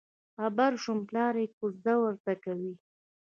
خبر شوم پلار یې کوزده ورته کوي.